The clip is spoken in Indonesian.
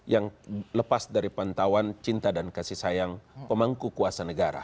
yang lepas dari pantauan cinta dan kasih sayang pemangku kuasa negara